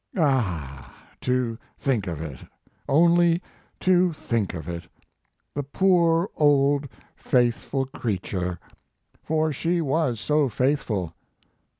"Ah, to think of it, only to think of it! the poor old faithful creature. For she was so faithful.